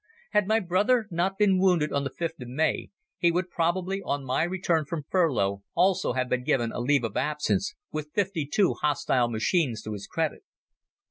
Had my brother not been wounded on the fifth of May he would probably on my return from furlough, also have been given a leave of absence with fifty two hostile machines to his credit.